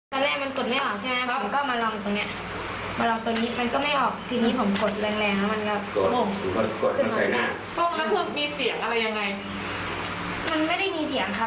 ตอนแรกมันกดไม่ออกใช่ไหมผมก็มาลองตรงนี้